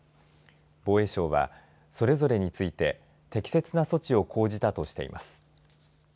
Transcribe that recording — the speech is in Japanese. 防衛省は、それぞれについて適切な措置を講じたとしています。